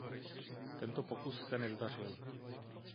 Tento pokus se nezdařil.